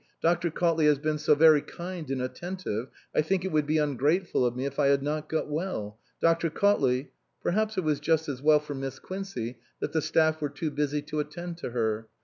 Dr. Cautley has been so very kind and attentive, I think it would be ungrateful of me if I had not got well. Dr. Cautley " Perhaps it was just as well for Miss Quincey that the staff were too busy to attend to her.